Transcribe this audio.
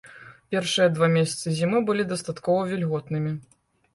Першыя два месяцы зімы былі дастаткова вільготнымі.